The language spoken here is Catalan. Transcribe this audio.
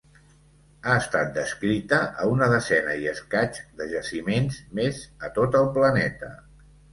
Ha estat descrita a una desena i escaig de jaciments més a tot el planeta.